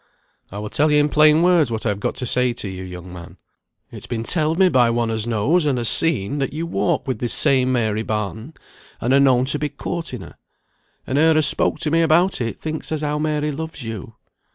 "I will tell you in plain words what I have got to say to you, young man. It's been telled me by one as knows, and has seen, that you walk with this same Mary Barton, and are known to be courting her; and her as spoke to me about it, thinks as how Mary loves you.